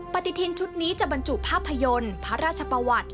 ปฏิทินชุดนี้จะบรรจุภาพยนตร์พระราชประวัติ